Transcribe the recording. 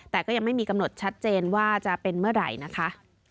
แต่ก็ยังไม่มีกำหนดชัดเจนว่าจะเป็นเมื่อไหร่นะคะ